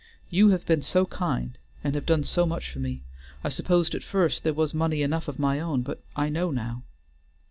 "You have been so kind, and have done so much for me; I supposed at first there was money enough of my own, but I know now."